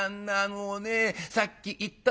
もうねさっき言ったでしょ？